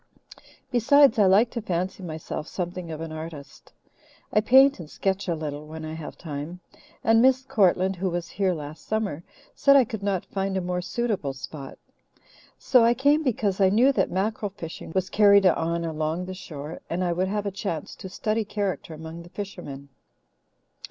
Besides, I like to fancy myself something of an artist. I paint and sketch a little when I have time, and Miss Courtland, who was here last summer, said I could not find a more suitable spot. So I came because I knew that mackerel fishing was carried on along the shore, and I would have a chance to study character among the fishermen."